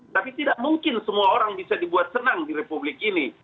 tapi tidak mungkin semua orang bisa dibuat senang di republik ini